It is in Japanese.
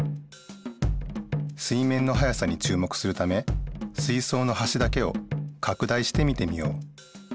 水面の速さにちゅう目するため水そうのはしだけをかく大して見てみよう。